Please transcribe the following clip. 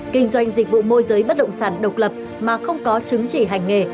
kinh doanh dịch vụ môi giới bất động sản độc lập mà không có chứng chỉ hành nghề